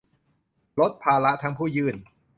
ลดภาระทั้งผู้ยื่น